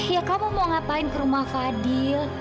ya kamu mau ngapain ke rumah fadil